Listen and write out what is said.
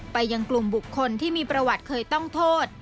ไปยังกลุ่มบุคคลที่มีประวัติเคยต้องโทษ